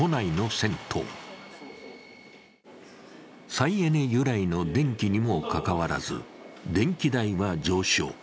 再エネ由来の電気にもかかわらず電気代は上昇。